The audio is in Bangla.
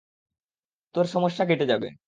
তোর সমস্যা কেটে যাবে।